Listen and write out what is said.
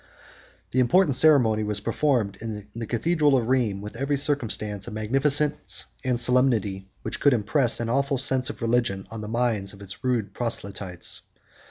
The important ceremony was performed in the cathedral of Rheims, with every circumstance of magnificence and solemnity that could impress an awful sense of religion on the minds of its rude proselytes.